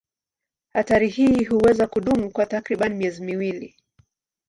Hatari hii huweza kudumu kwa takriban miezi miwili.